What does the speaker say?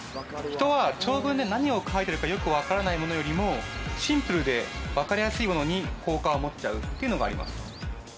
人は長文で何を書いてるかよく分からないものよりもシンプルで分かりやすいものに好感を持っちゃうっていうのがあります